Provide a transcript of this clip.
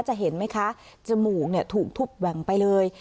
จะเห็นไหมคะจมูกถูกทุบแหว่งไปเลย